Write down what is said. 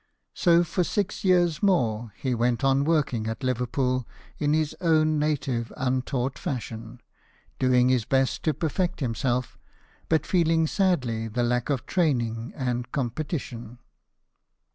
So for six years more he went on working at Liverpool in his own native untaught fashion, doing his best to perfect himself, but feeling sadly the lack of training and competition.